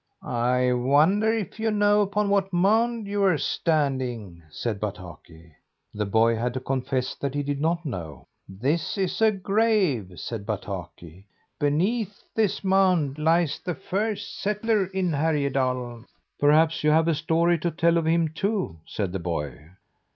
"I wonder if you know upon what mound you are standing?" said Bataki. The boy had to confess that he did not know. "This is a grave," said Bataki. "Beneath this mound lies the first settler in Härjedalen." "Perhaps you have a story to tell of him too?" said the boy.